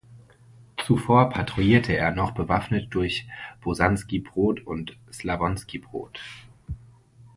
Zuvor patrouillierte er noch bewaffnet durch Bosanski Brod und Slavonski Brod.